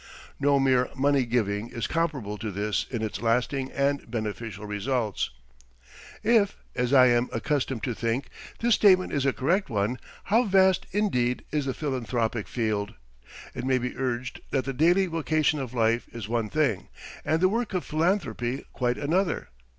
No mere money giving is comparable to this in its lasting and beneficial results. If, as I am accustomed to think, this statement is a correct one, how vast indeed is the philanthropic field! It may be urged that the daily vocation of life is one thing, and the work of philanthropy quite another.